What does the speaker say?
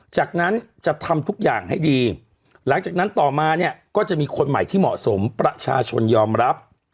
จากนั้นจะทำทุกอย่างให้ดีหลังจากนั้นต่อมาเนี่ยก็จะมีคนใหม่ที่เหมาะสมประชาชนยอมรับ